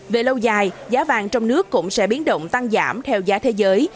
về lâu dài giá vàng trong nước cũng sẽ biến động tăng giảm theo giá thế giới